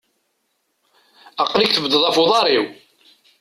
Aql-ik tebeddeḍ af uḍaṛ-iw!